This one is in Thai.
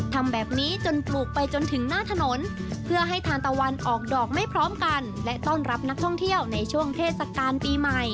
ทำแบบนี้จนปลูกไปจนถึงหน้าถนนเพื่อให้ทานตะวันออกดอกไม่พร้อมกันและต้อนรับนักท่องเที่ยวในช่วงเทศกาลปีใหม่